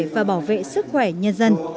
và bảo vệ sức khỏe nhân dân